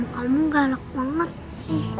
kamu galak sekali